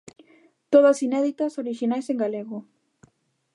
Todas inéditas, orixinais e en galego.